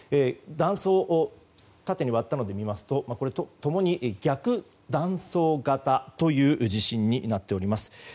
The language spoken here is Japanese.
断層、縦に割ったもので見ますと共に逆断層型という地震になっております。